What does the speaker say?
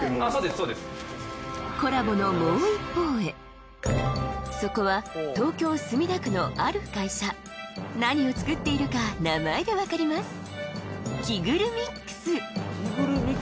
そうですコラボのもう一方へそこは東京墨田区のある会社何を作っているか名前で分かります「キグルミックス」